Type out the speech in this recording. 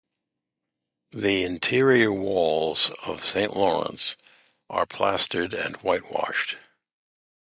The interior walls of Saint Lawrence are plastered and whitewashed.